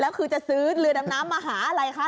แล้วคือจะซื้อเรือดำน้ำมาหาอะไรคะ